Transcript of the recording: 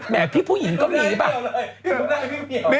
พี่ผู้หญิงก็มีหรือเปล่า